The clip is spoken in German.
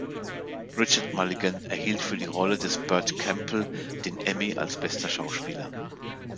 Richard Mulligan erhielt für die Rolle des "Burt Campbell" den Emmy als bester Schauspieler.